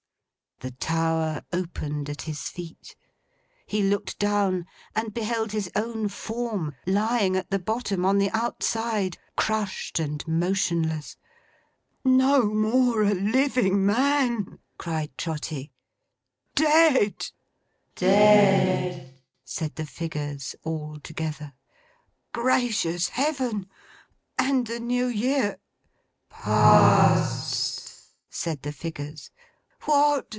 The tower opened at his feet. He looked down, and beheld his own form, lying at the bottom, on the outside: crushed and motionless. 'No more a living man!' cried Trotty. 'Dead!' 'Dead!' said the figures all together. 'Gracious Heaven! And the New Year—' 'Past,' said the figures. 'What!